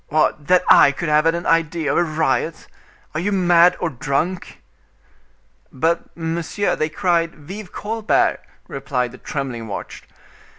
What! that I could have had an idea of a riot! Are you mad or drunk?" "But, monsieur, they cried 'Vive Colbert!'" replied the trembling watch.